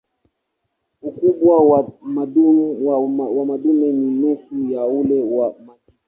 Ukubwa wa madume ni nusu ya ule wa majike.